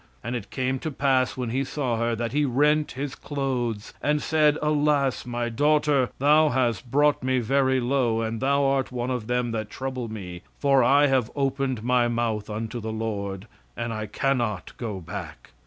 "And it came to pass when he saw her, that he rent his clothes, and said, Alas, my daughter! thou has brought me very low, and thou art one of them that trouble me; for I have opened my mouth unto the Lord, and I cannot go back.